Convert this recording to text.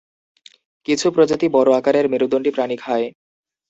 কিছু প্রজাতি বড় আকারের মেরুদন্ডী প্রাণী খায়।